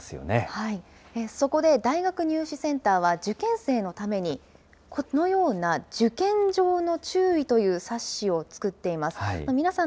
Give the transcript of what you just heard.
そこで、大学入試センターは受験生のために、このような受験上の注意という冊子を作っています。